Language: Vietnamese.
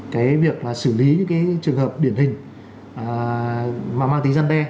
cái việc là xử lý những cái trường hợp điển hình mà mang tính gian đe